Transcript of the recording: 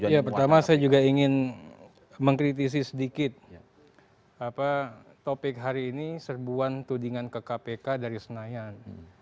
ya pertama saya juga ingin mengkritisi sedikit topik hari ini serbuan tudingan ke kpk dari senayan